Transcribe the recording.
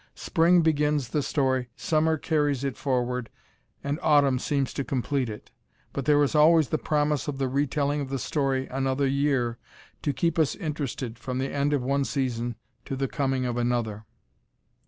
Spring begins the story, summer carries it forward, and autumn seems to complete it, but there is always the promise of the retelling of the story another year to keep us interested from the end of one season to the coming of another.